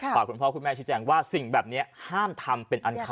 คุณพ่อคุณแม่ที่แจ้งว่าสิ่งแบบนี้ห้ามทำเป็นอันขาด